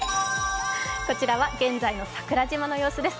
こちらは現在の桜島の様子です。